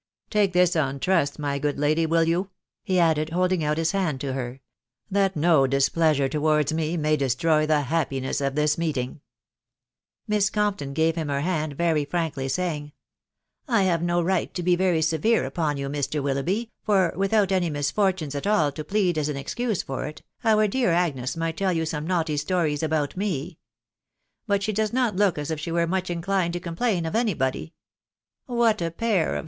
Take this on trust, my good lady, will you," he added, holding out his hand to her, " that no displeasure towards me may destroy the happiness of this meeting ?" Miss Compton gave him her hand very frankly, saying, —" I have no right to be very severe upon you, Mr. Wil loughby ; for, without any misfortunes at all to plead as an excuse for it, our dear Agnes might tell you some naughty stories about me .... But she does not look as if she were much inclined to complain of any body .... What a pair of